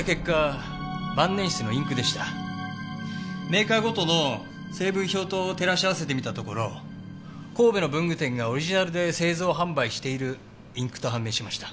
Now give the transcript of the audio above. メーカーごとの成分表と照らし合わせてみたところ神戸の文具店がオリジナルで製造販売しているインクと判明しました。